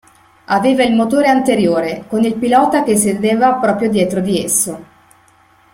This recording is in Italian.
Aveva il motore anteriore, con il pilota che sedeva proprio dietro di esso.